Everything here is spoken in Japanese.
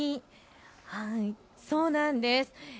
そうなんです。